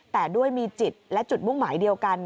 แต่ด้วยมีจิตและจุดมุ่งหมายเดียวกัน